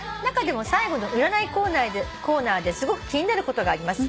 「中でも最後の占いコーナーですごく気になることがあります」